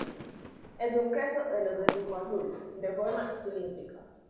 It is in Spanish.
Es un queso de los de tipo azul, de forma cilíndrica.